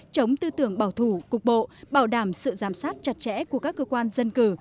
chống tư tưởng bảo thủ cục bộ bảo đảm sự giám sát chặt chẽ của các cơ quan dân cử